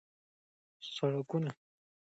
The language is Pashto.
سړکونه د هېواد د رګونو په څېر دي.